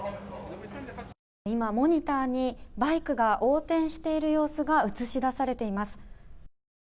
今、モニターにバイクが横転している様子が映し出されています。